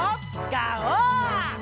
ガオー！